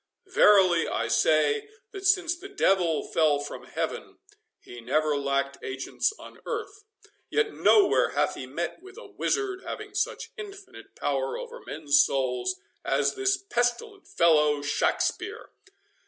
Verily, I say, that since the devil fell from Heaven, he never lacked agents on earth; yet nowhere hath he met with a wizard having such infinite power over men's souls as this pestilent fellow Shakspeare.